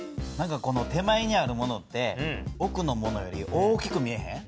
手前にあるものって奥のものより大きく見えへん？